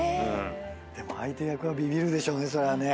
でも相手役はビビるでしょうね。